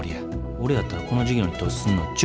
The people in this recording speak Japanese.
俺やったらこの事業に投資すんのちゅうちょするわ。